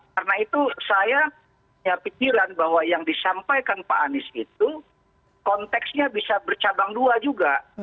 karena itu saya punya pikiran bahwa yang disampaikan pak anies itu konteksnya bisa bercabang dua juga